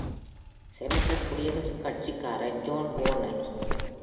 Senator, குடியரசுக் கட்சிக்காரர் John Warner.